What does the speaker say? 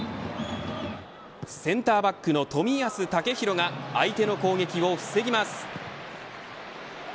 センターバックの冨安健洋が相手の攻撃を防ぎます。